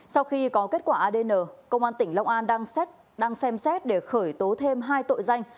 sau khi có kết quả adn công an tỉnh long an đang xem xét để khởi tố thêm hai tội danh